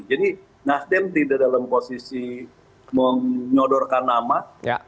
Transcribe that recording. jadi nasdem tidak dalam posisi menyodorkan nama